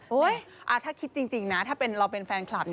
ถ้าคิดจริงนะถ้าเราเป็นแฟนคลับ